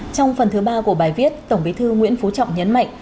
trong phần thứ ba của bài viết tổng bí thư nguyễn phú trọng nhấn mạnh